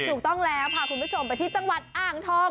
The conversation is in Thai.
ถูกต้องแล้วพาคุณผู้ชมไปที่จังหวัดอ่างทอง